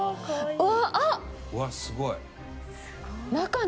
うわすごい。